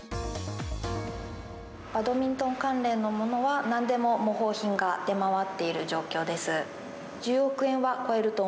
バドミントン関連のものは、なんでも模倣品が出回っている状況です。